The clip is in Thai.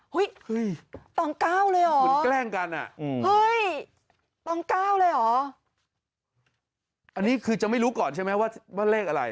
เฮ้ยตองก้าวเลยเหรอตองก้าวเลยเหรออันนี้คือจะไม่รู้ก่อนใช่ไหมว่าเลขอะไร